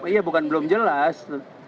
iya bukan belum jelas